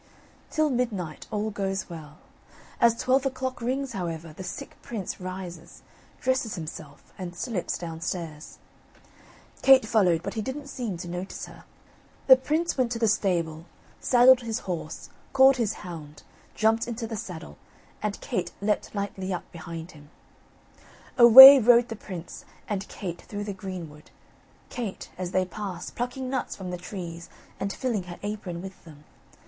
Till midnight all goes well. As twelve o clock rings, however, the sick prince rises, dresses himself, and slips downstairs. Kate followed, but he didn't seem to notice her. The prince went to the stable, saddled his horse, called his hound, jumped into the saddle, and Kate leapt lightly up behind him. Away rode the prince and Kate through the greenwood, Kate, as they pass, plucking nuts from the trees and filling her apron with them.